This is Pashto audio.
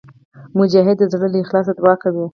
مجاهد د زړه له اخلاصه دعا کوي.